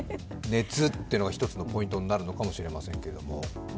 熱というのが１つのポイントになるのかもしれませんけど。